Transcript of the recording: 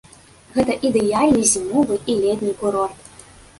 Гэта ідэальны зімовы і летні курорт.